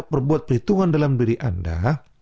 berbuat perhitungan dalam diri anda